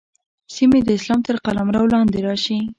سیمې د اسلام تر قلمرو لاندې راشي.